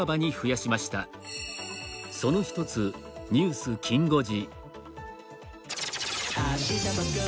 その１つ「ニュースきん５時」。